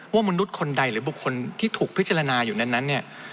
มนุษย์คนใดหรือบุคคลที่ถูกพิจารณาอยู่นั้นเนี่ย